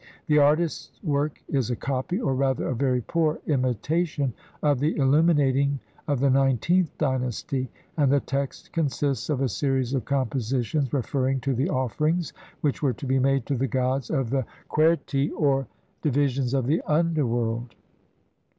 The artist's work is a copy, or rather a very poor imitation, of the illuminating of the nineteenth dynasty, and the text consists of a series of compositions referring to the offerings which were to be made to the gods of the Qerti, or divi sions of the underworld.